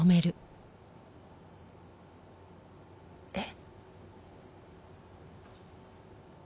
えっ？